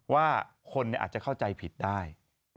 ว่าคนอาจจะเข้าใจผิดได้